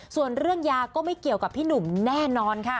ส่วนเรื่องยาก็ไม่เกี่ยวกับพี่หนุ่มแน่นอนค่ะ